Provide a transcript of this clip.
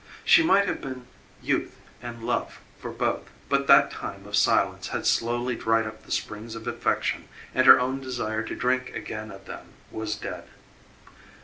She might have been youth and love for both but that time of silence had slowly dried up the springs of affection and her own desire to drink again of them was dead.